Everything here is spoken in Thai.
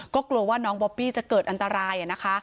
ก็กลัวว่าน้องบอบบี้จะเกิดอันตรายนะคะ